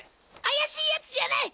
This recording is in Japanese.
あやしいやつじゃない！